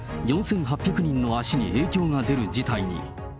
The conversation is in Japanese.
４８００人の足に影響が出る事態に。